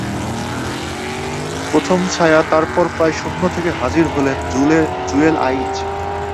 প্রথমে ছায়া, তারপর প্রায় যেন শূন্য থেকে হাজির হলেন জুয়েল আইচ।